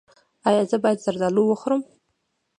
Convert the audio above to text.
ایا زه باید زردالو وخورم؟